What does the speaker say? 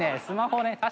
スマホね。